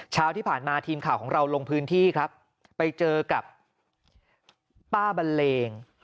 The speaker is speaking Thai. เช้าที่ผ่านมาทีมข่าวของเราลงพื้นที่ครับไปเจอกับป้าบันเลง